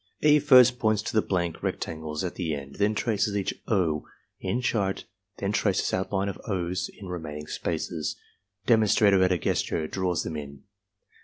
E. first points to the blank rectangles at the end, then traces each "O" in chart, then traces outline of "O's" in remaining spaces. Demonstrator, at a gesture, draws them in.